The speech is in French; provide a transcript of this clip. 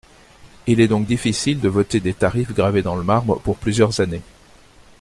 Il est donc difficile de voter des tarifs gravés dans le marbre pour plusieurs années.